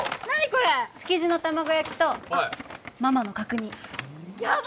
これ築地の卵焼きとあママの角煮やばい！